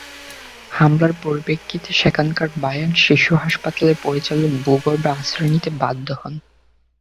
হামলার পরিপ্রেক্ষিতে সেখানকার বায়ান শিশু হাসপাতালের পরিচালক ভূগর্ভে আশ্রয় নিতে বাধ্য হন।